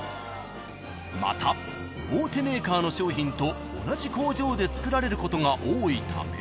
［また大手メーカーの商品と同じ工場で作られることが多いため］